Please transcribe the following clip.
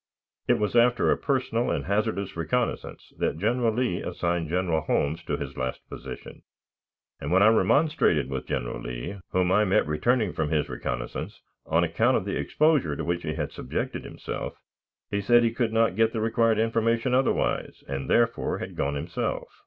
It was after a personal and hazardous reconnaissance that General Lee assigned General Holmes to his last position; and when I remonstrated with General Lee, whom I met returning from his reconnaissance, on account of the exposure to which he had subjected himself, he said he could not get the required information otherwise, and therefore had gone himself.